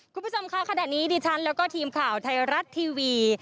คุณผู้ชมค่ะขณะนี้ดิฉันแล้วก็ทีมข่าวไทยรัฐทีวี